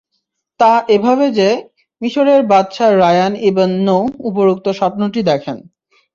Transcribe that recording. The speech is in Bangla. তা এভাবে যে, মিসরের বাদশাহ রায়্যান ইবন নূহ উপরোক্ত স্বপ্নটি দেখেন।